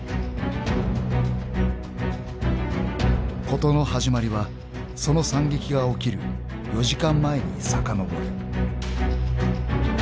［事の始まりはその惨劇が起きる４時間前にさかのぼる］